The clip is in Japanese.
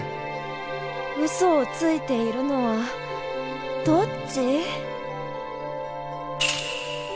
ウソをついているのはどっち？